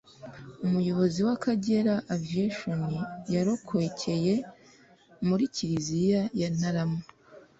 umukozi wa Akagera Aviation warokokeye muri Kiliziya ya Ntarama